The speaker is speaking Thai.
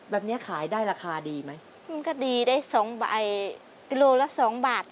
แบบนี้ขายได้ราคาดีไหมมันก็ดีได้สองใบกิโลละสองบาท